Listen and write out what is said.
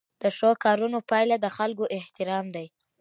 د ښو کارونو پایله د خلکو احترام دی.